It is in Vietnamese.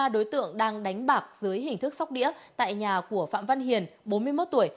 ba đối tượng đang đánh bạc dưới hình thức sóc đĩa tại nhà của phạm văn hiền bốn mươi một tuổi